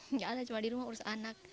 enggak ada cuma di rumah ngurus anak